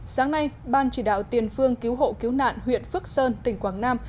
sáng nay ban chỉ đạo tiền phương cứu hộ cứu nạn huyện phước sơn tỉnh quảng nam